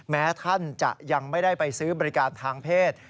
แม้ท่านจะยังไม่ได้ไปซื้อบริการทางเพศ